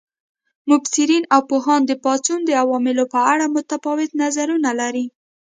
مبصرین او پوهان د پاڅون د عواملو په اړه متفاوت نظرونه لري.